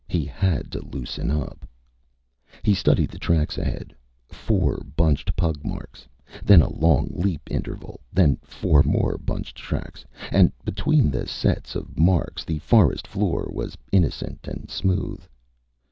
He had to loosen up. He studied the tracks ahead four bunched pug marks, then a long leap interval, then four more bunched tracks, and between the sets of marks the forest floor was innocent and smooth.